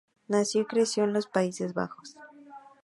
Nació y creció en los Países Bajos.